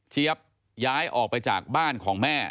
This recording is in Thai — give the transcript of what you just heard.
ย้ายออกไปจากบ้านของแม่